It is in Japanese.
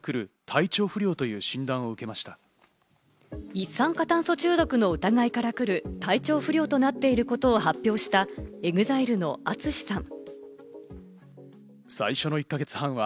一酸化炭素中毒の疑いからくる体調不良となっていることを発表したＥＸＩＬＥのＡＴＳＵＳＨＩさん。